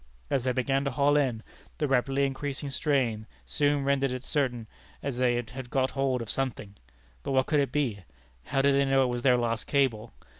As they began to haul in, the rapidly increasing strain soon rendered it certain that they had got hold of something. But what could it be? How did they know it was their lost cable?